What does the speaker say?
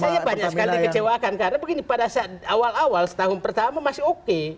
saya banyak sekali dikecewakan karena begini pada saat awal awal setahun pertama masih oke